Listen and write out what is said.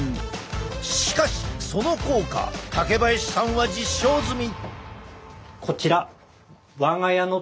しかしその効果竹林さんは実証済み。